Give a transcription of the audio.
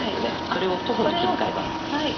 それを「徒歩」に切り替えます。